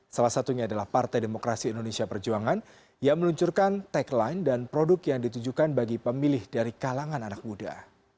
salah satunya adalah partai demokrasi indonesia perjuangan yang meluncurkan tagline dan produk yang ditujukan bagi pemilih dari kalangan anak muda